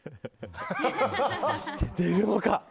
果たして出るのか？